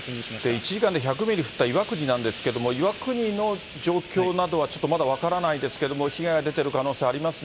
１時間で１００ミリ降った岩国なんですけれども、岩国の状況などはちょっとまだ分からないですけれども、被害が出てる可能性ありますね。